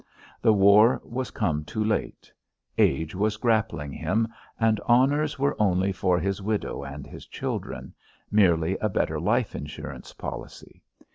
The war was come too late. Age was grappling him, and honours were only for his widow and his children merely a better life insurance policy.